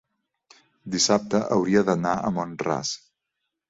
dissabte hauria d'anar a Mont-ras.